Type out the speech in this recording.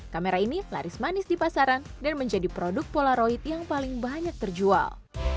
kamera ini laris manis di pasaran dan menjadi produk polaroid yang paling banyak terjual